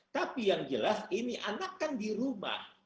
tapi yang jelas ini anak kan di rumah